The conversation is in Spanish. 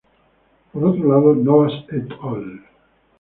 Por otro lado, Novas "et al.